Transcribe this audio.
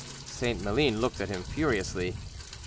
St. Maline looked at him furiously.